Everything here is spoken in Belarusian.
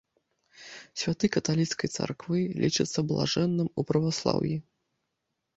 Святы каталіцкай царквы, лічыцца блажэнным у праваслаўі.